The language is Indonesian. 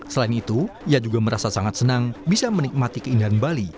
selain itu ia juga merasa sangat senang bisa menikmati keindahan bali